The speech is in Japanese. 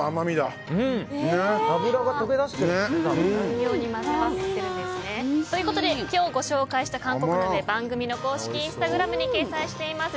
脂が溶け出してますね。ということで今日ご紹介した韓国鍋は番組の公式インスタグラムに掲載しています。